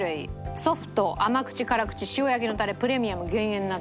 ソフト甘口辛口塩焼のたれプレミアム減塩など。